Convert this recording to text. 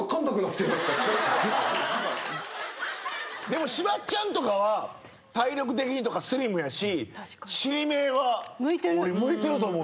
でもしばっちゃんとかは体力的にとかスリムやし。